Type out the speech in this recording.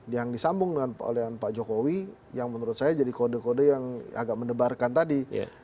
yang disambung oleh pak jokowi yang menurut saya jadi kode kode yang agak mendebarkan tadi